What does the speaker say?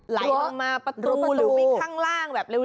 ไหลลงมาประตูหรือวิ่งข้างล่างแบบเร็ว